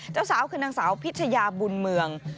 เจ้าสาวคือนางสาวพิชยาบุญเมือง